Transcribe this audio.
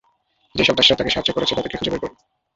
যেসব দাসেরা তাকে সাহায্য করেছে, তাদেরকে খুঁজে বের করুন।